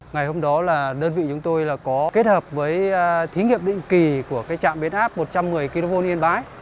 ngày hôm đó là đơn vị chúng tôi có kết hợp với thí nghiệm định kỳ của trạm biến áp một trăm một mươi kv yên bái